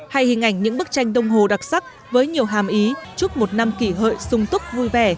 hay hình ảnh những bức tranh đông hồ đặc sắc với nhiều hàm ý chúc một năm kỷ hợi sung túc vui vẻ